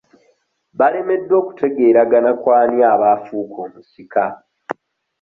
Balemereddwa okutegeeragana ku ani aba afuuka omusika?